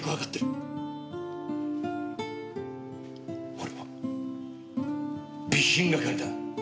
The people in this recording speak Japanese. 俺は備品係だ。